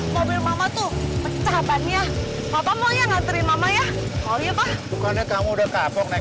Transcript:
mobil mama tuh pecah ban ya papa mau ya nganterin mama ya oh iya pak bukannya kamu udah kapok naik